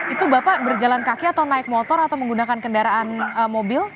itu bapak berjalan kaki atau naik motor atau menggunakan kendaraan mobil